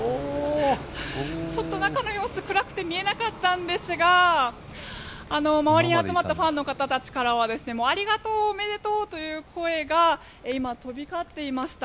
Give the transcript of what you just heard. ちょっと中の様子暗くて見えなかったんですが周りに集まったファンの方たちからはありがとうおめでとうという声が今、飛び交っていました。